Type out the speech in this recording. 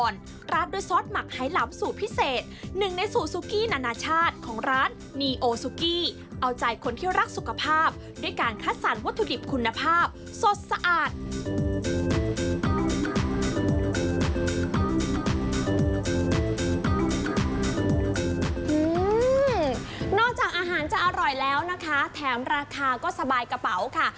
นอกจากอาหารจะอร่อยแล้วนะคะแถมราคาก็สบายกระเป๋าค่ะ